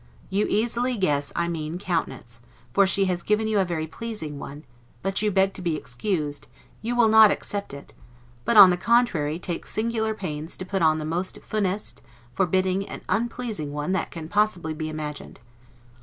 You easily guess I mean COUNTENANCE; for she has given you a very pleasing one; but you beg to be excused, you will not accept it; but on the contrary, take singular pains to put on the most 'funeste', forbidding, and unpleasing one that can possibly be imagined.